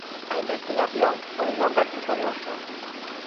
A investigación foi longa e procelosa.